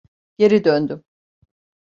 Geri döndüm.